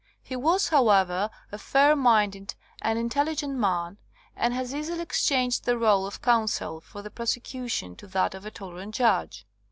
He was, however, a fair minded and intelligent man, and has easily exchanged the role of Counsel for the Prosecution to that of a tolerant judge.